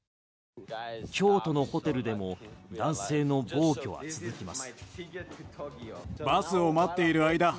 京都のホテルでも男性の暴挙は続きます。